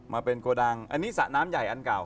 มาเป็นโกดังอันนี้สระน้ำใหญ่อันเก่า